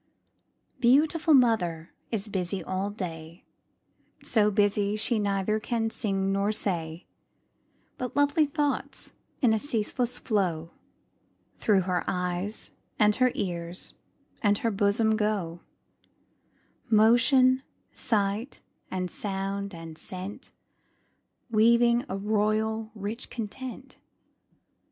_ Beautiful mother is busy all day, So busy she neither can sing nor say; But lovely thoughts, in a ceaseless flow, Through her eyes, and her ears, and her bosom go Motion, sight, and sound, and scent, Weaving a royal, rich content.